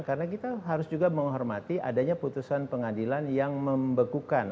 karena kita harus juga menghormati adanya putusan pengadilan yang membekukan